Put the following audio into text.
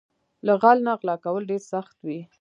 له غل نه غلا کول ډېر سخت وي